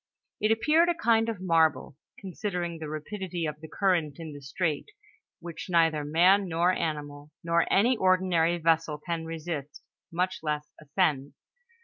It appeared a kind of marvel, considering the rapidity of the current in the strait, which neither man nor animal, nor any ordinary vessel can resist, much less ascend.